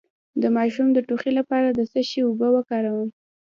د ماشوم د ټوخي لپاره د څه شي اوبه وکاروم؟